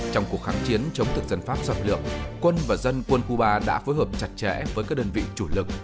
trong cuộc kháng chiến chống thực dân pháp giọt lượng quân và dân quân khu ba đã phối hợp chặt chẽ với các đơn vị chủ lực